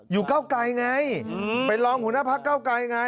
อยู่เก้าไกลไงไปร้องหุนภักษ์เก้าไกลไง